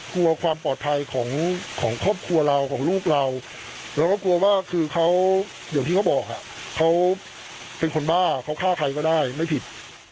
กลัวความปลอดภัยของครอบครัวเราของลูกเราเราก็กลัวว่าคือเขาอย่างที่เขาบอกเขาเป็นคนบ้าเขาฆ่าใครก็ได้ไม่ผิด